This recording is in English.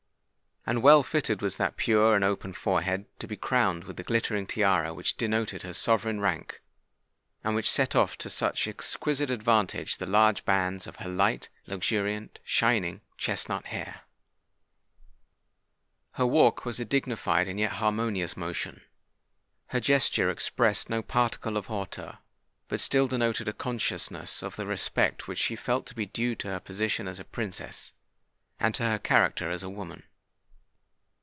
And well fitted was that pure and open forehead to be crowned with the glittering tiara which denoted her sovereign rank, and which set off to such exquisite advantage the large bands of her light, luxuriant, shining, chesnut hair! Her walk was a dignified and yet harmonious motion;—her gesture expressed no particle of hauteur, but still denoted a consciousness of the respect which she felt to be due to her position as a Princess, and to her character as a woman.